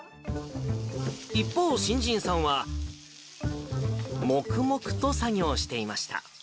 一方、新人さんは、黙々と作業していました。